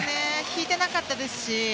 引いてなかったですし。